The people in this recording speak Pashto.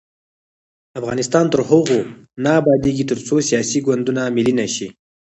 افغانستان تر هغو نه ابادیږي، ترڅو سیاسي ګوندونه ملي نشي.